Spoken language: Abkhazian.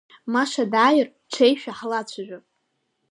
Маша дааир, ҽеишәа ҳлацәажәап.